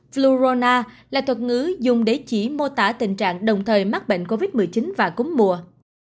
florona là thuật ngữ dùng để chỉ mô tả tình trạng đồng thời mắc bệnh covid một mươi chín và cúm mùa